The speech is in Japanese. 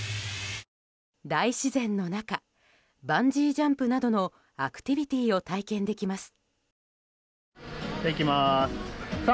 大自然の中バンジージャンプなどのアクティビティーを体験できます。